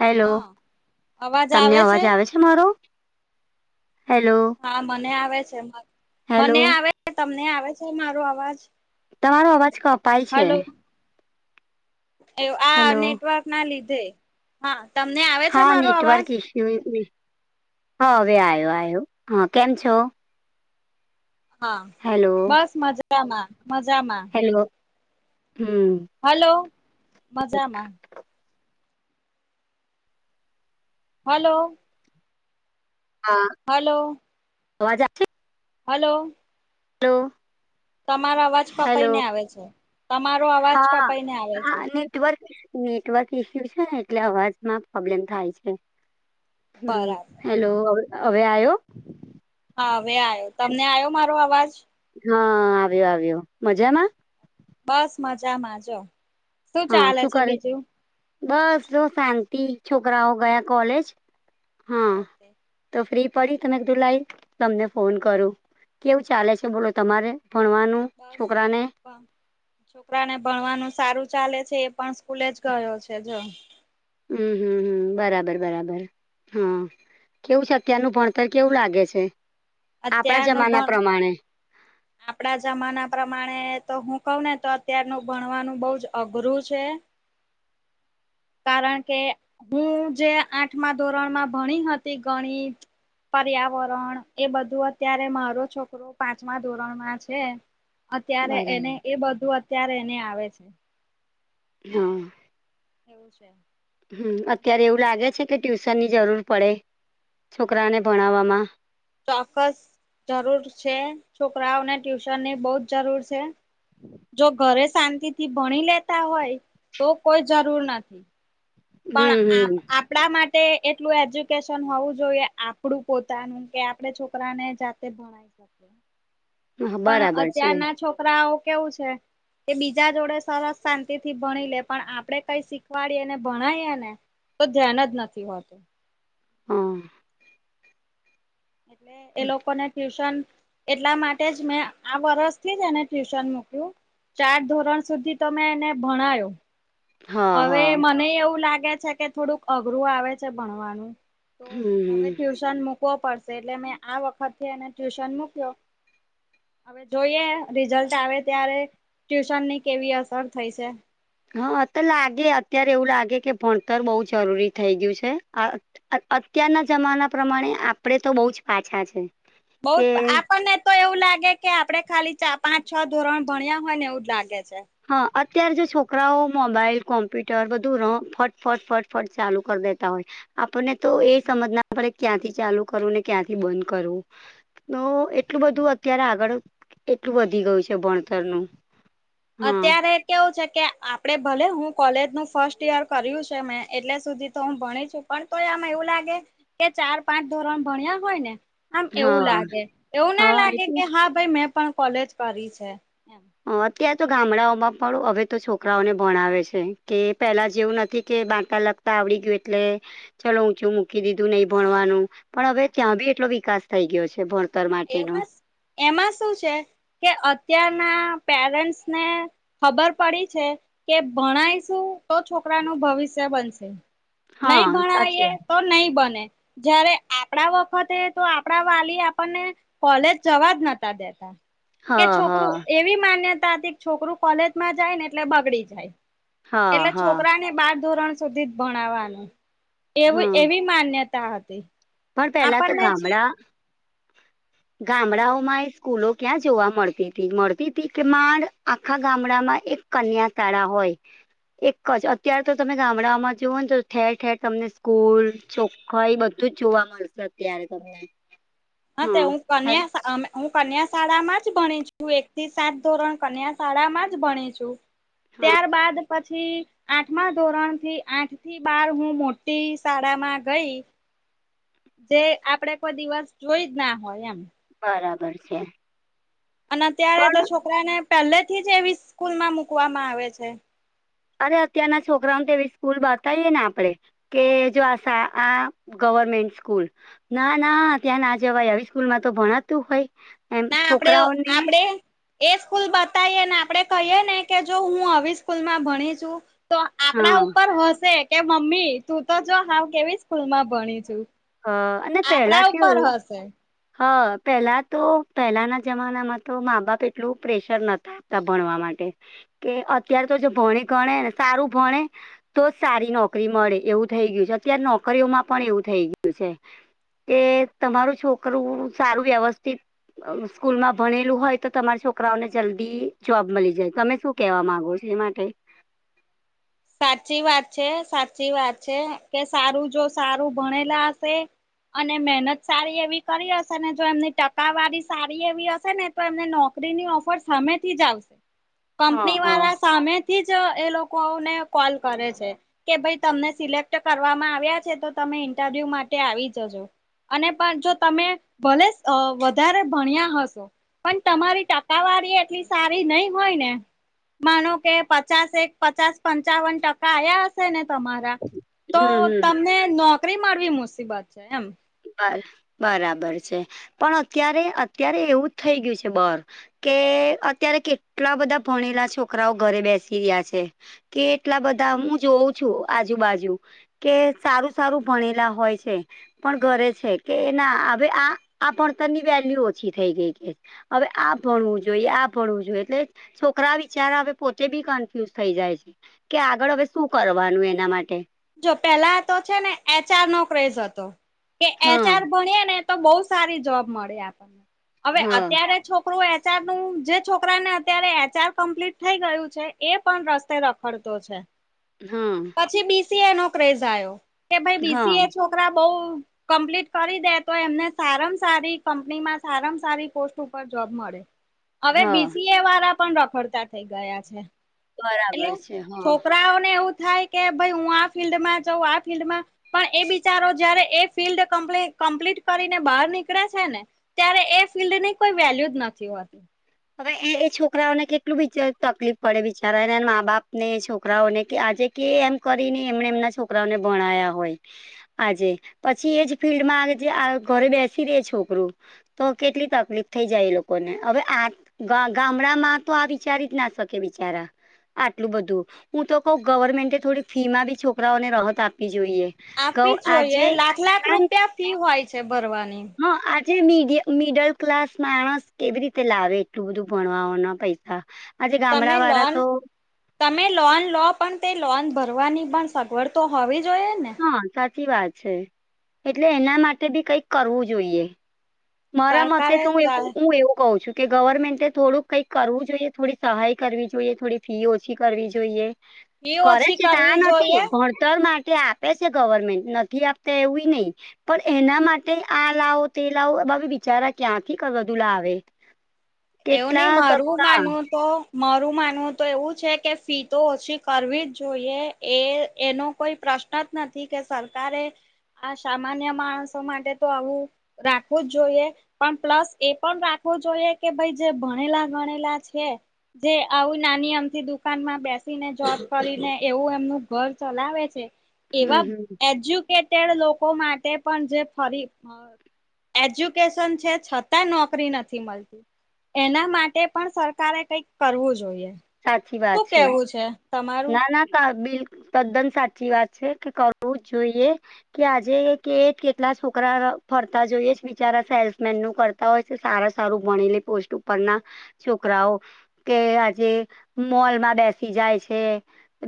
Hello હા તમને અવાજ આવે છે મારો હેલો. હા મને આવે છે હેલો મને આવે છે તમને આવે છે મારો અવાજ. તમારો અવાજ કપાય છે. એ [unintelligible] હેલો. નેટવર્કનાં લીધે. હા તમને આવે છે મારો અવાજ? હ હવે આવ્યો આવ્યો. હા કેમ છો? હા હેલો બસ મજામાં મજામાં. એવું હમ્મ. હલો મજામાં.... હલો. હા. હલો. અવાજ આવે છે. હલો. હલો. તમારો અવાજ કપાઈ ને આવે છે. તમારો અવાજ હા કપાઈ ને આવે છે. હા નેટવર્ક નેટવર્ક ઈસ્યુ છે ને એટલે અવાજમાં પ્રોબ્લેમ થાય છે. હમ બરાબર હેલો હવે આવ્યો. હા હવે આવ્યો તમને આવ્યો. તમને આવ્યો મારો અવાજ? હા આવ્યો આવ્યો મઝામાં. બસ મજામાં જો. હા શું કરે છે. બસ શાંતિ છોકરાઓ ગયા કોલેજ. હા ઓકે. તો ફ્રી પડી તો મે કીધું લાઈ તમને ફોન કરું. કેવું ચાલે છે? બોલો તમારે ભણવાનું છોકરાને? છોકરા ને ભણવાનું સારું ચાલે છે એ પણ સ્કૂલે જ ગયો છે જો. હમ હમ હમ. બરાબર બરાબર હા. કેવું છે અત્યારનું ભણતર કેવું લાગે છે? આપણા જમાના પ્રમાણે. આપણા જમાના પ્રમાણે તો હું કવ ને તો અત્યારનું ભણવાનું બવ જ અઘરું છે. કારણ કે... હું જે આઠમા ધોરણમાં ભણી હતી ગણિત. પર્યાવરણ એ બધું અત્યારે મારો છોકરો પાંચમા... ધોરણમાં છે અત્યારે એને બરાબર એ બધું અત્યારે એને આવે છે. હ. એવું છે. હમ અત્યારે એવું લાગે છે કે, ટ્યુશનની જરૂર પડે, છોકરાને ભણાવવામાં. ચોક્કસ જરૂર છે, છોકરાઓને ટ્યુશનની બવ જ જરૂર છે. જો ઘરે શાંતિથી ભણી લેતા હોય, તો કોઈ જરૂર નથી. પણ હમ આપ આપ આપણા માટે એટલું એજ્યુકેશન હોવું જોઈએ, આપણું પોતાનું કે આપણે છોકરાને જાતે ભ હમ પણ બરાબર છે અત્યારના છોકરાઓ કેવું છે, એ બીજા જોડે સરસ શાંતિથી ભણી લે પણ આપણે કઈ શીખવાડીએ ને ભણાયે ને તો ધ્યાન જ નથી હોતું. હમ્મ એટલે એ લોકોને ટ્યુશન એટલા માટે જ મેં આ વરષથી જ એને ટ્યુશન મૂક્યું. ચાર ધોરણ સુધી તો મે એને ભણાયો. હા અવે હા મને એવું લાગે છે કે થોડુંક અઘરું આવે છે ભણવાનું. તો હમ હવે હમ ટ્યુશન મૂકવો પડશે એટલે મે આ વખતથી એને ટ્યુશન મૂક્યો, હવે જોઈએ રિઝલ્ટ આવે ત્યારે ટ્યુશનની કેવી અસર થઈ છે. હ તો લાગે અત્યારે એવું લાગે કે ભણતર બવ જરૂરી થઈ ગયું છે, આ અત અત્યારના જમાના પ્રમાણે આપડે તો બવ જ પાછા છે. બહું કે જ આપણને તો તો એવું લાગે કે આપણે ખાલી ચા પાંચ છ ધોરણ ભણ્યા હોય ને એવું જ લાગે છે. હા અત્યારે જો છોકરાઓ મોબાઈલ કોમ્પ્યુટર બધું ર ફટફટ ફટફટ ચાલુ કરી દેતા હોય. આપણને તો એ સમજ ના પડે ક્યાંથી ચાલુ કરવું ને ક્યાંથી બંધ કરવું. તો એટલું બધું અત્યારે આગળ એટલું વધી ગયું છે ભણતરનું. હા અત્યારે કેવું છે કે આપડે ભલે હું કોલેજનું ફર્સ્ટ યર કર્યું છે, મેં એટલે સુધી તો હું ભણી છુ, પણ તો આમાં એવું લાગે કે ચાર પાંચ ધોરણ ભણ્યા હોય ને. આમ એવું હા લાગે એવું ના હા લાગે એટલે કે હા ભાઈ મેં પણ કોલેજ કરી છે. એમ અ અત્યારે તો ગામડાઓમાં પણ હવે તો છોકરાઓને ભણાવે છે કે પહેલા જેવું નથી કે બાળપ તા આવડી ગિયુ એટલે ચલો ઊંચું મૂકી દીધું નહી ભણવાનું પણ હવે ત્યાં ભી એટલો વિકાસ થઈ ગયો છે, ભણ એમાં જ એમાં શું છે કે અત્યારના પેરેન્ટ્સને ખબર પડી છે કે, ભણાયશું તો છોકરાનું ભવિષ્ય બનશે. નહી હા સાચી ભણાઈએ વાત તો નહી બને જયારે આપણા વખતે તો આપણા વાલી આપ આપણ ને કોલેજ જવા નતા દેતા કે હા છોકરું હા એવી માન્યતા હતી છોકરું કોલેજમાં જાય ને એટલે બગડી જાય હા એટલે હા છોકરા ને બાર ધોરણ જ સુધી જ ભણાવવાનું એવી હા એવી માન્યતા હતી. પણ પેલા તો આપણને જ ગામડા હા ગામડાઓ બોલ માંય સ્કૂલો ક્યાં જોવા મળતી તી મળતી તી કે માંડ આખા ગામડામાં એક કન્યા શાળા હોય. એક જ અત્ય્યારે તો તમે ગામડામાં જોવ ને તો ઠેર ઠેર તમને સ્કૂલ ચોખ્ખાાઈ બધું જ જોવા મળશે અત્યારે તમને. હા તે હું કન્યા સા હું કન્યા શાળામાં જ ભણી છું, એક થી સાત ધોરણ કન્યા શાળામાં જ ભણી છું. હા ત્યારબાદ પછી આઠમા ધોરણ થી આઠ થી બાર હું મોટી શાળામાં ગઈ તિ. જે આપડે કોઈ દિવસ જોઈ જ ના હોય એમ. બરાબર છે. અને અત્યારે તો પણ છોકરાને પેલ્લે થી જ એવી સ્કૂલમાં મુૂકવામાં આવે છે અરે અત્યારના છોકરાઓને તો એવી સ્કૂલ બતાઈએ ને આપડે કે જો આ સા આ ગવર્મેન્ટ સ્કૂલ ના ના ત્યાં ના જવાાય આવી સ્કૂલમાં તો ભણાતું હોય એમ ના આપડે છોકરાઓને આપડે એ સ્કૂલ બતાઈએ ને આપડે કહીએ ને કે જો હું આવી સ્કૂલમાં ભણી છું તો હા આપડા ઉપર હસે કે મમ્મી તું તો જો હાવ કેવી સ્કૂલમાં ભણી છું અ અને આપડા પેલા ઉપર કેવું હશે હા પેહલા તો પેહલાના જમાના તો મા બાપ એટલું પ્રેશર નતા તા ભણવા માટે કે અત્યાર તો જે ભણે ગણેને સારું ભણે તો જ સારી નોકરી મળે એવું થઈ ગયું છે અત્યારે નોકરીઓમાં પણ એવું થઈ ગયું છે કે તમારું છોકરું સારું વ્યવસ્થિત અ સ્કૂલમાં ભણેલું હોય તો તમારા છોકરાઓને જલ્દી જોબ મલી જાય તમે શું કેવા માંગો છો એ માટે સાચી વાત છે સાચી વાત છે કે સારું જો સારું ભણેલા હશે અને મહેનત સારી એવી કરી હશે ને જો એમની ટકાવારી સારી એવી હશે ને તો એમને નોકરીની ઓફર સામેથી જ આવશે હા કંપની હા વારા સામેથી જ એ લોકોને કોલ કરે છે કે ભઈ તમને સિલેક્ટ કરવામાં આવ્યા છે તો તમે ઇન્ટરવ્યુ માટે આવી જજો અને પણ જો તમે ભલે અ વધારે ભણ્યા હશે પણ તમારી ટકાવારી એટલી સારી નઈ હોય ને માનો કે પચાસ એક પચાસ પન ચાવન ટકા આયા હશે ને તમારા તો હમ હમ તમને નો કરી માં બી મુસીબત છે એમ બર બરાબર છે પણ અત્યારે અત્યારે એવું જ થઈ ગયું છે બર કે અત્યારે કેટલા બધા ભણેલા છોકરાઓ ઘરે બેસી રહ્યા છે કે એટલા બધા હું જોઉં છું આજુબાજુ કે સારું સારું ભણેલા હોય છે પણ ઘરે છે કે ના અવે આ આ ભણતરની વેલ્યુ ઓછી થઈ ગઈ છે અવે આ ભણવું જોઈએ આ ભણવું જોઈએ એટલે છોકરા વિચારા હવે પોતે બી કન્ફ્યુઝ થઈ જાય છે કે આગળ હવે શું કરવાનું એના માટે જો પેલા તો છે ને એચ આર નો ક્રેઝ હતો કે એચ હા આર ભણએ ને તો બવ સારી જોબ મળે એમ અવે હા અત્યારે છોક કરુ એચ આર નું જે છોકરાને અત્યારે એચ આર કમ્પ્લીટ થઈ ગયું છે એ પણ રસ્તે રખડતો છે [inaudible] હમ્મ પછી બી સી એ નો ક્રેઝ આયો કે ભઈ બી હા સી એ છોકરા બઉ કમ્પ્લીટ કરી દે તો એમને સારામાં સારી કંપનીમાં સારામાં સારી પોસ્ટ ઉપર જોબ મળે અવે હા બી સી એ વાળા પણ રખડતા થઈ ગયા છે એટલે બરાબર છે હા છોકરાઓને એવું થાય કે ભઈ ઉં આ ફિલ્ડમાં જઉ આ ફિલ્ડમાં પણ એ બિચારો જયારે એ ફિલ્ડ કમ્પલી કમ્પ્લીટ કરીને બહાર નીકળે છે ને ત્યારે એ ફિલ્ડની કોઈ વેલ્યુ જ નથી હોતી હવે એ એ છોકરાઓને કેટલું બિચા તકલીફ પડે બિચારાને એના મા બાપ ને એ છોકરાઓને કે આજે કે એમ કરીને એમને એમના છોકરાઓને ભણાયા હોય આજે પછી એજ ફિલ્ડમાં આ જે ઘરે બેસી રે છોકરું તો કેટલી તકલીફ થઈ જાય એ લોકોને હવે આ વાગા તો આ વિચારી જ ના શકે બિચારા આટલું બધું હું તો કઉ ગવર્મેન્ટે થોડી ફી માં બી છોકરાઓને રાહત આપવી જોઈએ. ગ આપવી જ જોઈએ આજે લાખ લાખ રૂપિયા ફી હોય છે ભરવાની હ આજે મીડ મીડલ ક્લાસ માણસ કેવી રીતે લાવે એટલું બધું ભણવાવાના પૈસા આજે ગામડા તમે વાળા લોન તો તમે લોન લો પણ તે લોન ભરવાની પણ સગવડ તો હોવી જોઈએ ને હા સાચી વાત છે એટલે એના માટે બી કંઈક કરવું જોઈએ. મારા મતે સરકારે તો હું એવું હું એવું કઉ છું કે ગવર્મેન્ટે થોડુંક કંઈક કઈ કરવું જોઈએ થોડી સહાય કરવી જોઈએ થોડી ફી ઓછી કરવી જોઈએ. ફી કરે ઓછી છે ને આ કરવી નથી જોઈએ પણ તર માટે આપે છે ગવર્મેન્ટ નથી આપતા એવું એ નઈ પણ એના માટે આ લાવો તે લાવો [unintelligible] બિચારા ક્યાંથી ક્યાંથી આ બધું લાવે એવું નહી કેટલા મારું સપના માનવું તો મારું માનવું તો એવું છે કે ફી તો ઓછી કરવી જ જોઈએ. એ એનો કોઈ પ્રશ્ન જ નથી કે સરકારે આ સામાન્ય માણસો માટે તો આવું રાખવું જ જોઈએ પણ પ્લસ એ પણ રાખવો જોઈએ. કે ભાઈ જે ભણેલા ગણેલા છે જે આવું નાની અમથી દુકાનમાં બેસીને જોબ કરીને એવું એમનું ઘર ચલાવે છે હમ એવા હમ એજ્યુકેટેડ લોકો માટે પણ જે ફરી એજ્યુકેશન છે છતાં નોકરી નથી મળતી. એના માટે પણ સરકારે કઈક કરવું જોઈએ. સાચી વાત શું છે. કેવું છે તમાર ના ના સા બિલ તદ્દન સાચી વાત છે કે કરવું જ જોઈએ. કે આજે કે કેટલા છોકરા ફરતા જોઈએ છે બિચારા સેલ્સમેનનું કર તા હોય છે સારા સારું ભણી લે પોસ્ટ ઉપરના છોકરાઓ કે આ જે મોલમાં બેસી જાય છે.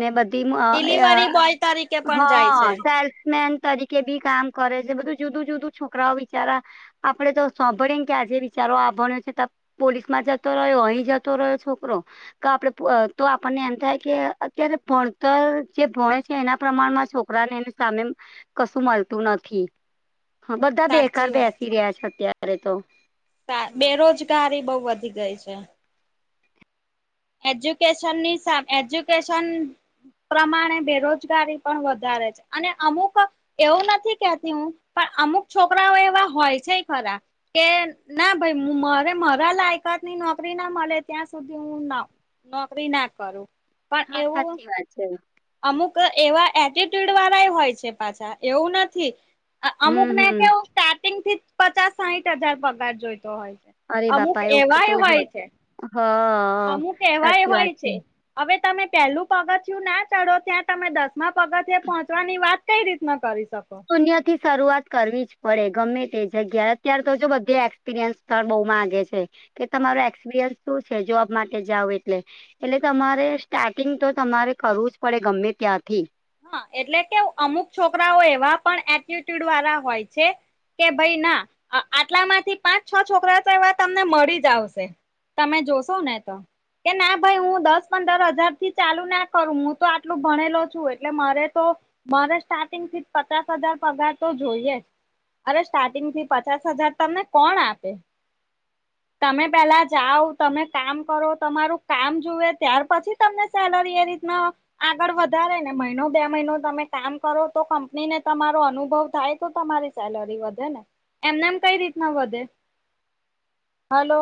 ને બધી મ અ ડિલિવરી બોય તરીકે હ પણ જાય છે. સેલ્સમેન તરીકે બી કામ કરે છે બધું જુદું-જુદું છોકરાઓ બિચારા આપડે તો સાંભળીએને કે આજે બિચારો આ ભણે છે તો પોલીસ માં જતો રહ્યો અહી જતો રહ્યો છોકરો ક આપણ તો આપણને એમ થાય કે અત્યારે ભણતર જે ભણે છે એના પ્રમાણમાં છોકરાને એની સામે કશું મલતું નથી હ બધા બેકાર સાચી વાત બેસી રહ્યા છે અત્યારે તો હમ બેરોજગારી બઉ વધી ગઈ છે. એજ્યુકેશનની સામે એજ્યુકેશન પ્રમાણે બેરોજગારી પણ વધારે છે અને અમુક એવું નથી કેતી હું પણ અમુક છોકરાઓ એવા હોય છે ખરા કે ના ભાઈ મારે મારા લાયકાતની નોકરી ના મળે ત્યાં સુધી હું ના નોકરી ના કરું પણ હા એવું સાચી વાત છે અમુક એવા એટીટ્યુડ વાળા હોય છે પાછા એવું નથી. અમુક હમ ને કે હમ સ્ટાર્ટિંગ થી પચાસ સાહીઠ હજાર પગાર જોઈતો હોય છે. અરે અમુક બાપા એવું ક તો એવાય હોય છે હા અમુક એવાય હોય છે. હવે તમે પહેલું પગથિયું ના ચઢો ત્યાં તમે દસમા પગથિયે પહોંચવાની વાત કઈ રીતના કરી શકો. પુન્ય થી શરૂઆત કરવી જ પડે ગમે તે જગ્યા અત્યારે તો જો બધે એક્સપિરિયન્સ ત્યાં બહુ માંગે છે કે હા તમારો એક્સપિરિયન્સ શું છે જોબ માટે જાવ એટલે એટલે તમારે સ્ટાર્ટિંગ તો તમારે કરવું જ પડે ગમે ત્યાંથી હા એટલે કેવુ અમુક છોકરાઓ એવા પણ એટીટ્યુડ વાળા હોય છે કે ભાઈ ના આટલામાંથી પાંચ છ છોકરા તો એવા તમને મળી જ આવશે. તમે જોશો ને તો કે ના ભાઈ હું દસ પંદર હજાર થી ચાલુ ના કરું હું તો આટલું ભણેલો છું એટલે મારે તો મારે સ્ટાર્ટિંગ થી જ પચાસ હજાર પગાર તો જોઈએ જ. અરે સ્ટાર્ટિંગ થી પચાસ હજાર તમને કોણ આપે? તમે પેલા જાઓ તમે કામ કરો તમારું કામ જુવે ત્યાર પછી તમને સેલરી એ રીતના આગળ વધારે અને મહિનો બે મહિનો તમે કામ કરો તો કંપની ને તમારો અનુભવ થાય તો તમારી સેલરી વધે ને એમ નેમ કઈ રીતના વધે હલો.